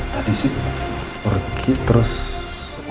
tadi nanti sar christin